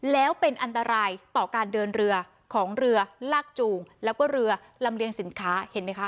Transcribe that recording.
แล้วเป็นอันตรายต่อการเดินเรือของเรือลากจูงแล้วก็เรือลำเลียงสินค้าเห็นไหมคะ